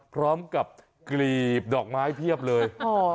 พร้อมกับกรีบดอกไม้เพียบเลย